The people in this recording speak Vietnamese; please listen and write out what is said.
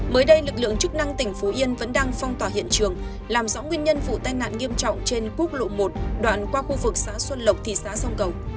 mới đây lực lượng chức năng tỉnh phú yên vẫn đang phong tỏa hiện trường làm rõ nguyên nhân vụ tai nạn nghiêm trọng trên quốc lộ một đoạn qua khu vực xã xuân lộc thị xã sông cầu